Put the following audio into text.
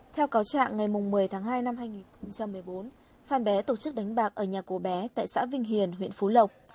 theo cáo trạng ngày một mươi tháng hai năm hai nghìn một mươi bốn phan bé tổ chức đánh bạc ở nhà cô bé tại xã vinh hiền huyện phú lộc